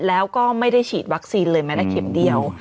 แล้วก็ไม่ได้ฉีดวัคซีนเลยแม้แต่เข็มเดียว